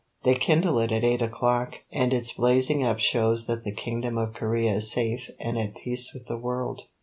They kindle it at eight o'clock, and its blazing up shows that the kingdom of Corea is safe and at peace with the world."